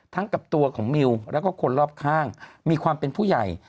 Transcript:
กับตัวของมิวแล้วก็คนรอบข้างมีความเป็นผู้ใหญ่